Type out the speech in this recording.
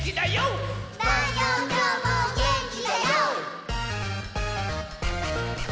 きょうもげんきだＹＯ！」